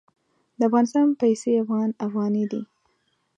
د افغانستان پیسې افغان افغاني دي.